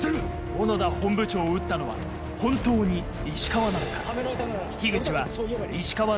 小野田本部長を撃ったのは本当に石川なのか？